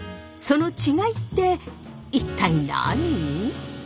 その違いって一体何？